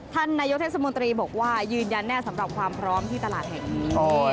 ท่านนายกเทศมนตรีบอกว่ายืนยันแน่สำหรับความพร้อมที่ตลาดแห่งนี้